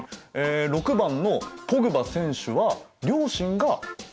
６番のポグバ選手は両親がギニア系。